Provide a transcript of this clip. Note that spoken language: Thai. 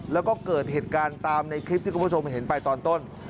แล้วก็เกิดเหตุการณ์ตามในคลิปที่คุณผู้ชมเห็นไปตอนต้น